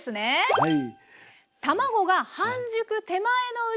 はい。